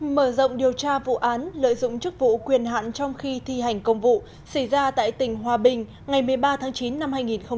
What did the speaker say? mở rộng điều tra vụ án lợi dụng chức vụ quyền hạn trong khi thi hành công vụ xảy ra tại tỉnh hòa bình ngày một mươi ba tháng chín năm hai nghìn một mươi chín